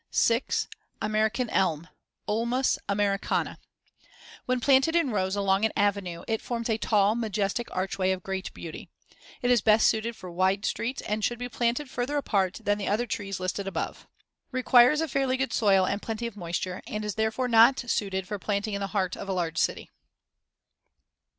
6. American elm (Ulmus americana) When planted in rows along an avenue, it forms a tall majestic archway of great beauty. It is best suited for wide streets and should be planted further apart than the other trees listed above. Requires a fairly good soil and plenty of moisture, and is therefore not suited for planting in the heart of a large city.